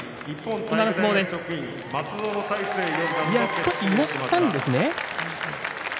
少しいなしたんですね。